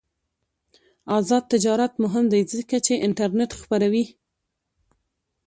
آزاد تجارت مهم دی ځکه چې انټرنیټ خپروي.